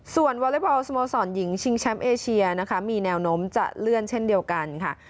ส่วนวอเล็กบอลสโมสรหญิงชิงแชมป์เอเชียนะคะมีแนวโน้มจะเลื่อนเช่นเดียวกันค่ะ